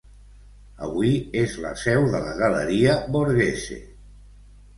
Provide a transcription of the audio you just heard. Avui és la seu de la Galeria Borghese.